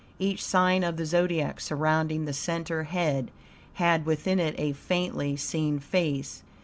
Each sign of the Zodiac surrounding the center head had within it a faintly seen face.